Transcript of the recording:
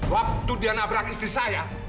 waktu dia nabrak istri saya